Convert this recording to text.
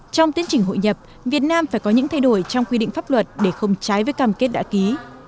trong tiến trình hội nhập việt nam phải có những thay đổi trong quy định pháp luật để không trái với cam kết đã ký